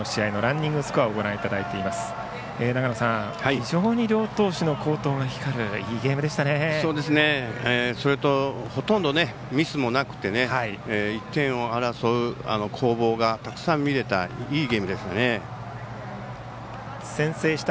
非常に両投手の好投が光るそれと、ほとんどねミスもなくて、１点を争う攻防がたくさん見れたいいゲームでした。